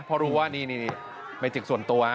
เพราะรู้ว่านี่เป็นจิตส่วนตัว